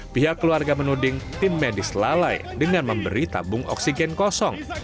pihak keluarga menuding tim medis lalai dengan memberi tabung oksigen kosong